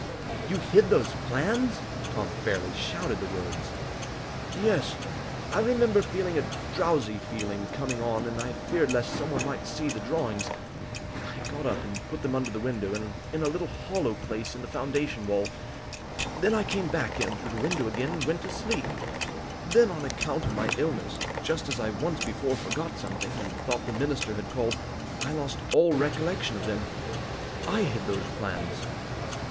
"You hid those plans!" Tom fairly shouted the words. "Yes, I remember feeling a drowsy feeling coming on, and I feared lest some one might see the drawings. I got up and put them under the window, in a little, hollow place in the foundation wall. Then I came back in through the window again, and went to sleep. Then, on account of my illness, just as I once before forgot something, and thought the minister had called, I lost all recollection of them. I hid those plans."